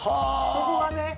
そこがね。